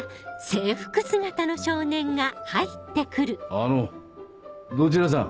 あのどちらさん？